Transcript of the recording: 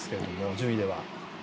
順位では。